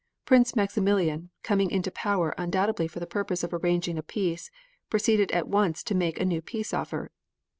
Prince Maximilian, coming into power undoubtedly for the purpose of arranging a peace, proceeded at once to make a new peace offer.